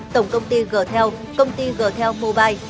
tổng công ty g tel công ty g tel mobile